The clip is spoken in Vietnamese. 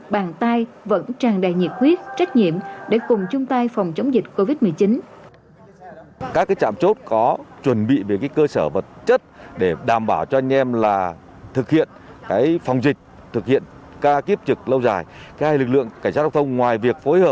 bàn tay vẫn tràn đầy nhiệt huyết trách nhiệm để cùng chung tay phòng chống dịch covid một mươi chín